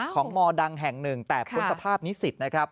มดังแห่งหนึ่งแต่พ้นสภาพนิสิตนะครับ